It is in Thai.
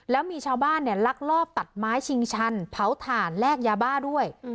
แล้วมีชาวบ้านเนี่ยลักลอบตัดไม้ชิงชันเผาถ่านแลกยาบ้าด้วย